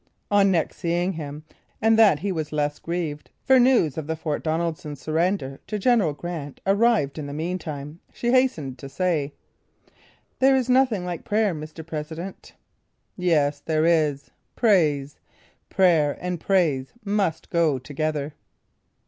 On next seeing him and that he was less grieved, for news of the Fort Donaldson surrender to General Grant arrived in the meantime, she hastened to say: "There is nothing like prayer, Mr. President!" "Yes, there is: Praise! Prayer and praise must go together!"